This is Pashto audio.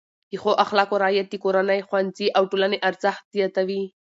د ښو اخلاقو رعایت د کورنۍ، ښوونځي او ټولنې ارزښت زیاتوي.